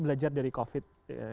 belajar dari covid